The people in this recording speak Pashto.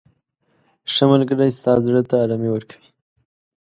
• ښه ملګری ستا زړه ته ارامي ورکوي.